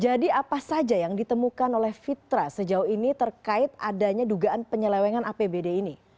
apa saja yang ditemukan oleh fitra sejauh ini terkait adanya dugaan penyelewengan apbd ini